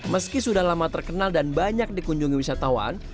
meski sudah lama terkenal dan banyak dikunjungi wisatawan